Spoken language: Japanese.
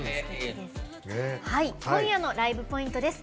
今夜のライブポイントです。